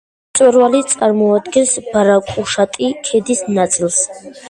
მწვერვალი წარმოადგენს ბარგუშატის ქედის ნაწილს.